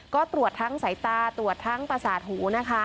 ก็ตรวจทั้งสายตาตรวจทั้งประสาทหูนะคะ